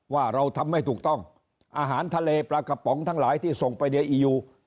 ว่าเราทำไม่ถูกต้องอาหารทะเลปลากระป๋องทั้งหลายที่ส่งไปในอียู